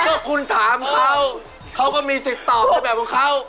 ก็คุณถามเขาเขาก็มีสิทธิ์ตอบในแบบของเขา